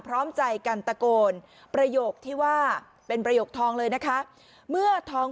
พร้อมใจกันตะโกนประโยคที่ว่าเป็นประโยคทองเลยนะคะเมื่อทอง